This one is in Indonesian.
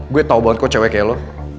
gue tau banget kok cewek ke lo